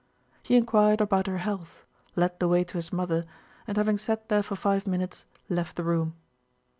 He inquired about her health, led the way to his mother, and having sat there for five minutes left the room.